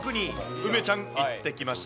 梅ちゃん、行ってきました。